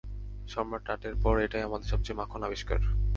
সম্রাট টাটের পর এটাই আমাদের সবচেয়ে মাখন আবিষ্কার!